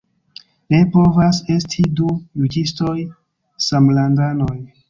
Ne povas esti du juĝistoj samlandanoj.